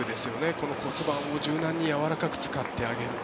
この骨盤を柔軟にやわらかく使ってあげる。